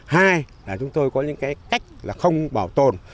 hai là chúng tôi có những cách không bảo tồn